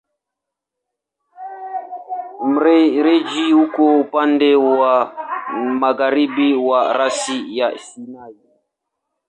Mfereji uko upande wa magharibi wa rasi ya Sinai.